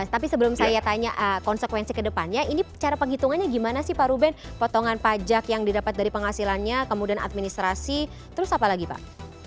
tapi sebelum saya tanya konsekuensi ke depannya ini cara penghitungannya gimana sih pak ruben potongan pajak yang didapat dari penghasilannya kemudian administrasi terus apa lagi pak